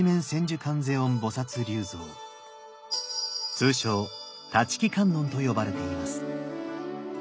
通称立木観音と呼ばれています。